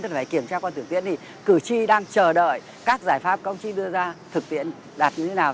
tức là phải kiểm tra qua thực tiễn thì cử tri đang chờ đợi các giải pháp công chí đưa ra thực tiễn đạt như thế nào